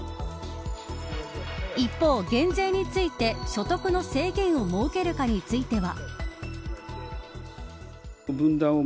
一方、減税について所得の制限を設けるかについては。